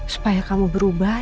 supaya kamu berubah